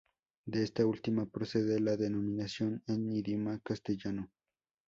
De esta última procede la denominación en idioma castellano.